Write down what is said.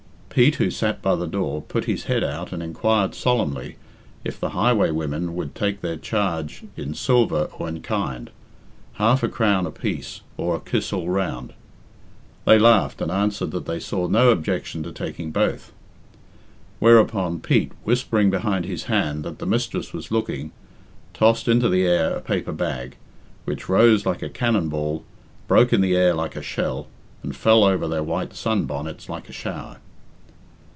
Pete, who sat by the door, put his head out and inquired solemnly if the highway women would take their charge in silver or in kind half a crown apiece or a kiss all round. They laughed, and answered that they saw no objection to taking both. Whereupon Pete, whispering behind his hand that the mistress was looking, tossed into the air a paper bag, which rose like a cannon ball, broke in the air like a shell, and fell over their white sun bonnets like a shower.